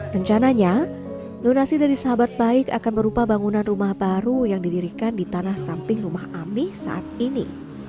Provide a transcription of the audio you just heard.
rencananya lunasi dari sahabat baik akan merupakan bangunan rumah baru yang didirikan di tanah samping rumah ami saat ini